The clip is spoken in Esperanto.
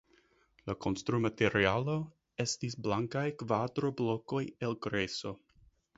La konstrumaterialo estis blankaj kvadroblokoj el grejso.